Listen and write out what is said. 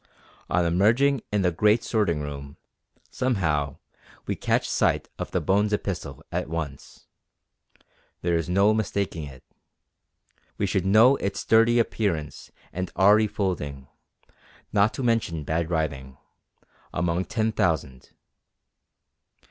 On emerging in the great sorting room, somehow, we catch sight of the Bones epistle at once. There is no mistaking it. We should know its dirty appearance and awry folding not to mention bad writing among ten thousand.